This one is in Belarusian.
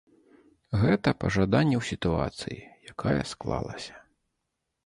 Гэта пажаданне ў сітуацыі, якая склалася.